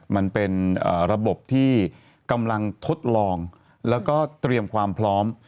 มันเป็นระบบที่กำลังทดลองแล้วก็เตรียมความพร้อม